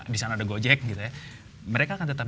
di sana ada gojek mereka akan tetap